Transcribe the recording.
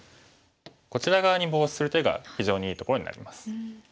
こちら側にボウシする手が非常にいいところになります。